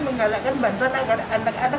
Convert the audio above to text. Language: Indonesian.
menggalakkan bantuan agar anak anak bisa bersekolah